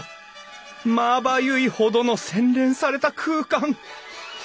まばゆいほどの洗練された空間。